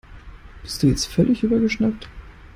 Bist du jetzt völlig übergeschnappt?